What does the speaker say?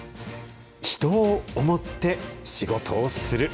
人を想って仕事をする。